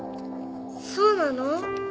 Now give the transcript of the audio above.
そうなの？